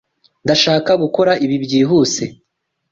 Ndashaka gukora ibi byihuse.